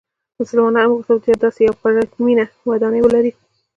مسلمانانو هم وغوښتل داسې یوه پرتمینه ودانۍ ولري.